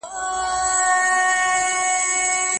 ناحقه مال خوړل په ځان اور بلول دي.